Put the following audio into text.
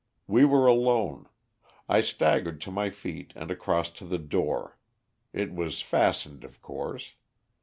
"We were alone. I staggered to my feet and across to the door. It was fastened, of course.